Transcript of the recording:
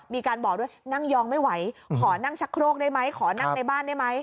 มีการบอกด้วยนั่งยองไม่ไหวขอนั่งชักโครกได้ไหมขอนั่งในบ้านได้ไหม